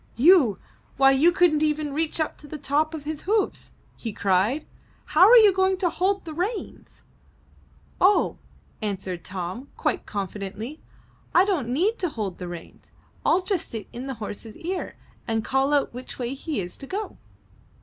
''You! why you couldn't even reach up to the top of his hoofs!" he cried. ''How are you going to hold the reins?" *'0h," answered Tom, quite confidently, "I don't need to hold the reins. I'll just sit in the horse's ear and call out which way he is to go!"